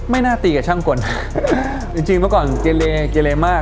ไม่น่าตีกับช่างกลจริงเมื่อก่อนเกลียดเกลียดมาก